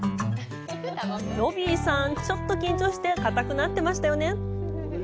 ロビーさん、ちょっと緊張して硬くなってましたよね？